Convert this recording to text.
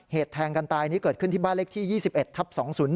แทงกันตายนี้เกิดขึ้นที่บ้านเลขที่๒๑ทับ๒๐๑